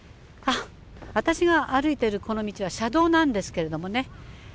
私が歩いているこの道は車道なんですけれどもね